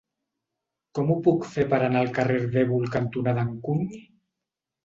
Com ho puc fer per anar al carrer Ardèvol cantonada Encuny?